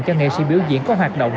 cho nghệ sĩ biểu diễn có hoạt động